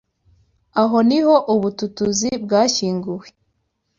Aho niho ubutuTUZI bwashyinguwe